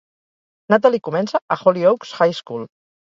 Natalie comença a Hollyoaks High School.